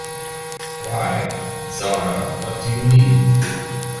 Why, Zahra, what do you mean?